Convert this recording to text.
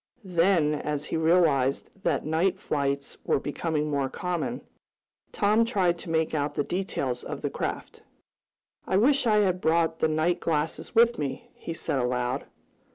Then, as he realized that night flights were becoming more common, Tom tried to make out the details of the craft. "I wish I had brought the night glasses with me," he said aloud.